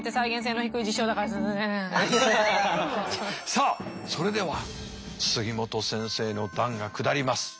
さあそれでは杉本先生の断が下ります。